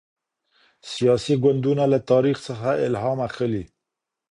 سياسي ګوندونه له تاريخ څخه الهام اخلي.